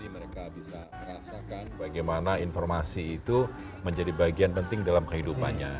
mereka bisa merasakan bagaimana informasi itu menjadi bagian penting dalam kehidupannya